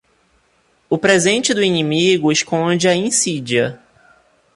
O presente do inimigo esconde a insídia.